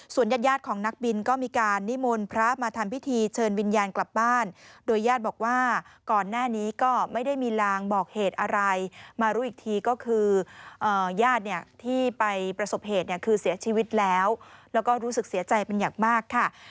ซึ่งไปประสบเหตุเนี่ยคือเสียชีวิตแล้วแล้วก็รู้สึกเสียใจเป็นอย่างมากค่ะ